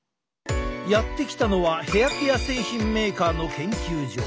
やって来たのはヘアケア製品メーカーの研究所。